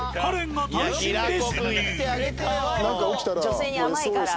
女性に甘いから。